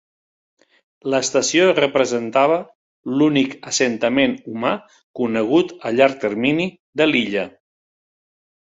L'estació representava l'únic assentament humà conegut a llarg termini de l 'illa.